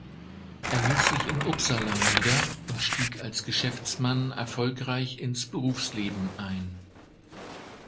Er ließ sich in Uppsala nieder und stieg als Geschäftsmann erfolgreich ins Berufsleben ein.